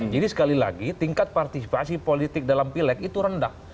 jadi sekali lagi tingkat partisipasi politik dalam pileg itu rendah